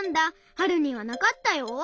はるにはなかったよ。